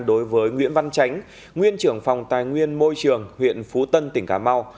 đối với nguyễn văn tránh nguyên trưởng phòng tài nguyên môi trường huyện phú tân tỉnh cà mau